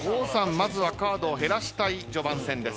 まずはカードを減らしたい序盤戦です。